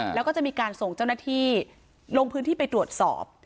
แล้วก็จะมีการส่งเจ้าหน้าที่ลงพื้นที่ไปตรวจสอบ